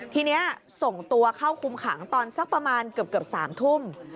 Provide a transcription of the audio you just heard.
ทีนี้ส่งตัวเข้าคุมขังตอนสักประมาณเกือบ๓ทุ่ม